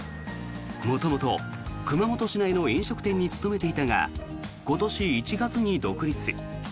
元々、熊本市内の飲食店に勤めていたが今年１月に独立。